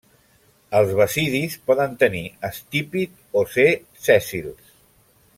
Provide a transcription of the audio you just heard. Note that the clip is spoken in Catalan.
Els basidis poden tenir estípit o ser sèssils.